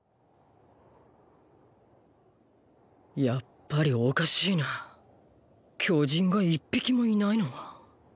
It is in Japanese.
やっぱりおかしいな巨人が一匹もいないのは。